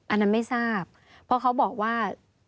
อันนั้นไม่ทราบเพราะเขาบอกว่า